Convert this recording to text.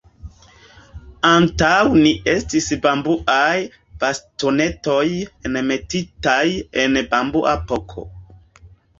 Antaŭ ni estis bambuaj bastonetoj enmetitaj en bambua poto.